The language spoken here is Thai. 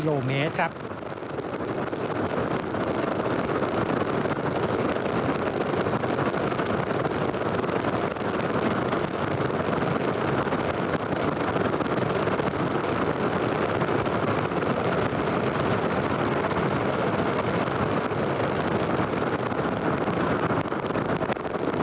มีอาหารที่จะรออยู่ในระเบียนใต่